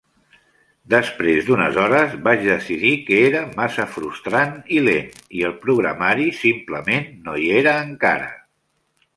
Després d'unes hores vaig decidir que era massa frustrant i lent, i el programari simplement no hi era encara.